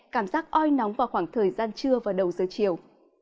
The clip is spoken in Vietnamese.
cảm giác oi nóng vào khoảng thời gian trưa và đầu giờ chiều